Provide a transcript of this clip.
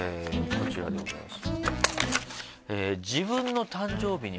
こちらでございます。